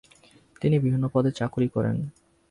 তিনি বিভিন্ন পদে চাকুরি করেন।